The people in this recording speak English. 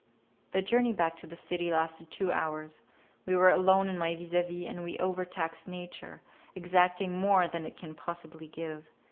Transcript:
The journey back to the city lasted two hours; we were alone in my vis a vis and we overtaxed nature, exacting more than it can possibly give.